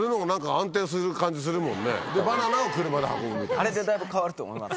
あれでだいぶ変わると思います。